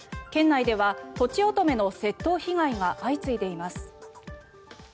県内ではとちおとめの窃盗被害が相次いでいます。